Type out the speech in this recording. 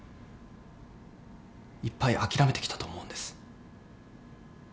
いっぱい諦めてきたと思うんです。